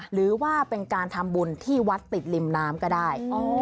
หรือว่าเป็นการทำบุญที่วัดติดริมน้ำก็ได้